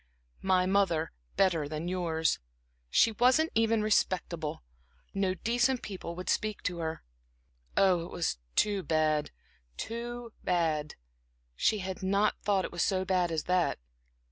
"My mother better than yours she wasn't even respectable; no decent people would speak to her" ... Oh, it was too bad too bad; she had not thought it was so bad as that.